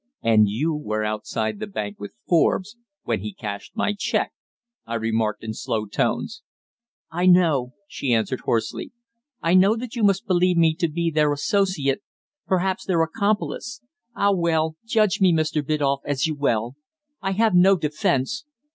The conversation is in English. "And you were outside the bank with Forbes when he cashed my cheque!" I remarked in slow tones. "I know," she answered hoarsely. "I know that you must believe me to be their associate, perhaps their accomplice. Ah! well. Judge me, Mr. Biddulph, as you will. I have no defence.